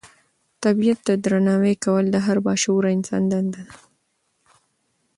طبیعت ته درناوی کول د هر با شعوره انسان دنده ده.